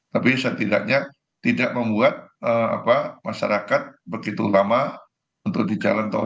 tapi setidaknya tidak membuat masyarakat begitu lama untuk di jalan tol